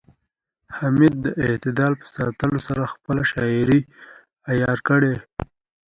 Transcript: حمید د اعتدال په ساتلو سره خپله شاعرۍ عیاره کړه